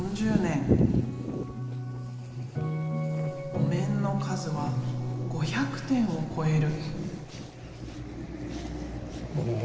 お面の数は５００点を超える。